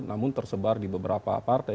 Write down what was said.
namun tersebar di beberapa partai